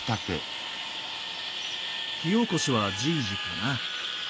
火おこしはじぃじかな？